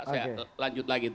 saya lanjut lagi